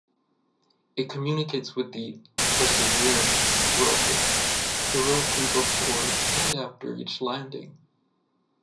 It communicates with the "Perseverance" rover directly before and after each landing.